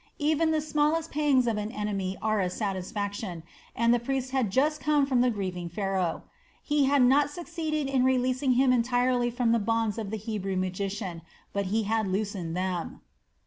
Even the smallest pangs of an enemy are a satisfaction, and the priest had just come from the grieving Pharaoh. He had not succeeded in releasing him entirely from the bonds of the Hebrew magician, but he had loosened them.